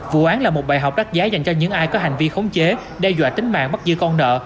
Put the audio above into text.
vụ án là một bài học đắt giá dành cho những ai có hành vi khống chế đe dọa tính mạng bắt giữ con nợ